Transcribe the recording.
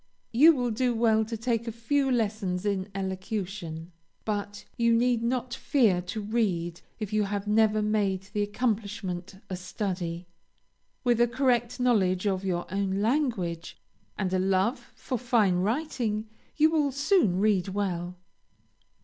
You will do well to take a few lessons in elocution, but you need not fear to read if you have never made the accomplishment a study. With a correct knowledge of your own language, and a love for fine writing, you will soon read well.